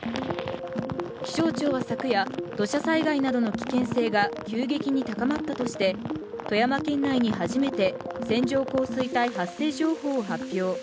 気象庁は昨夜、土砂災害などの危険性が急激に高まったとして富山県内に初めて線状降水帯発生情報を発表。